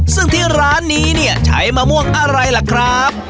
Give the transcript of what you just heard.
ซึ่งที่ร้านนี้เนี่ยใช้มะม่วงอะไรล่ะครับ